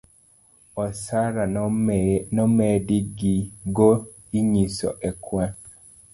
osara manomedi go inyis ekwan